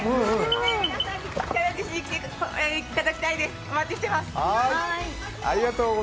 皆さんにチャレンジしていただきたいです、お待ちしています。